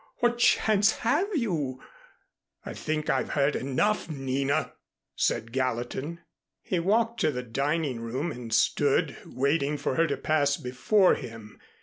What chance have you ?" "I think I've heard enough, Nina," said Gallatin. He walked to the dining room and stood, waiting for her to pass before him.